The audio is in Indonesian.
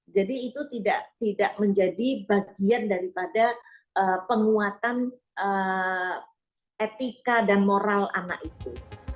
jadi itu tidak menjadi bagian daripada penguatan etika dan moral anak itu